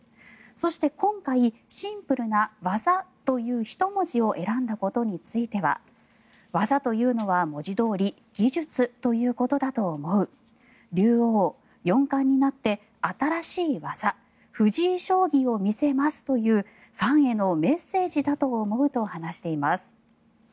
そして、今回シンプルな「技」という１文字を選んだことについては「技」というのは文字どおり「技術」ということだと思う竜王、四冠になって新しい技、藤井将棋を見せますというファンへのメッセージだと思うと話しています。